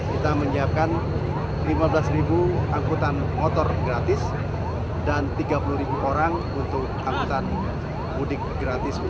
kita menyiapkan lima belas angkutan motor gratis dan tiga puluh orang